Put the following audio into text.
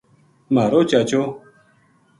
مھارو چاچو